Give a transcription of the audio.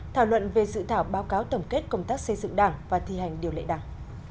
thảo luận về dự thảo báo cáo tổng kết công tác xây dựng đảng và thi hành điều lệ đảng